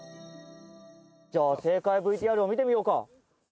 じゃあ正解ＶＴＲを見てみようか。